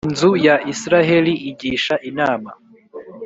inzu ya Israheli igisha inama.